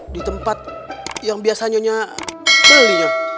di tempat yang biasanya belinya